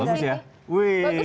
wih daniel bagus